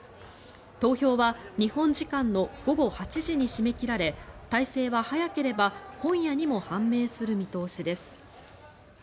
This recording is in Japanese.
投票は日本時間の午後８時に締め切られ大勢は早ければ今夜にも判明する見通しです。